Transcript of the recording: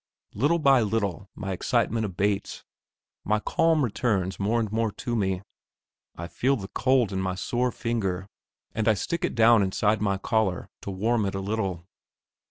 Little by little my excitement abates, my calm returns more and more to me. I feel the cold in my sore finger, and I stick it down inside my collar to warm it a little.